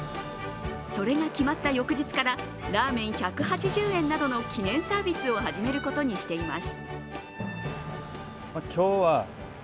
それが決まった翌日からラーメン１８０円などの記念サービスを始めることにしています。